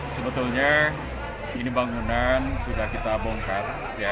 sebetulnya ini bangunan sudah kita bongkar